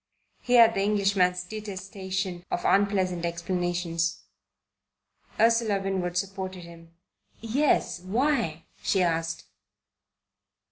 He had the Englishman's detestation of unpleasant explanations. Ursula Winwood supported him. "Yes, why?" she asked.